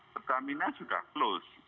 pertamina sudah close